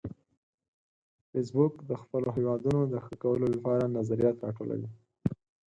فېسبوک د خپلو هیوادونو د ښه کولو لپاره نظریات راټولوي